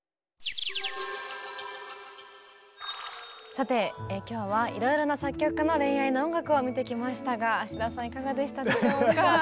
さて今日はいろいろな作曲家の恋愛の音楽を見てきましたが田さんいかがでしたでしょうか？